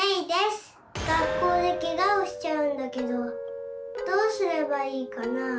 学校でケガをしちゃうんだけどどうすればいいかなあ？